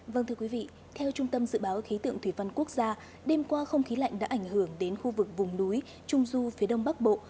vâng thưa quý vị theo trung tâm dự báo khí tượng thủy văn quốc gia đêm qua không khí lạnh đã ảnh hưởng đến khu vực vùng núi trung du phía đông bắc bộ